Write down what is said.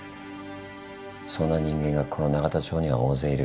そんな人間がこの永田町には大勢いる。